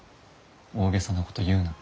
大げさなこと言うな。